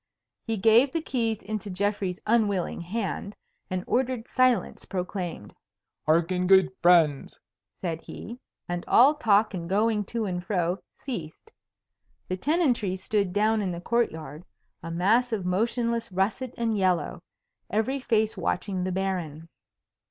He gave the keys into Geoffrey's unwilling hand, and ordered silence proclaimed. "Hearken, good friends!" said he, and all talk and going to and fro ceased. The tenantry stood down in the court yard, a mass of motionless russet and yellow, every face watching the Baron.